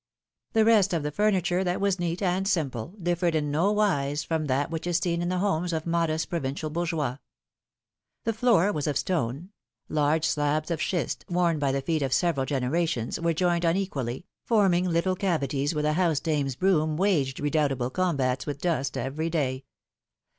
The rest of the furniture, that was neat and simple, differed in no wise from that which is seen in the homes of modest provincial bourgeois. The floor was of stone; large slabs of schist, worn by the feet of several genera tions, w'ere joined unequally, forming little cavities where the housedame's broom waged redoubtable combats with dust every day.